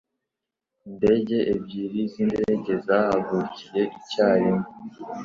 Indege ebyiri zindege zahagurukiye icyarimwe.